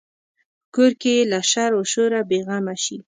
په کور کې یې له شر و شوره بې غمه شي.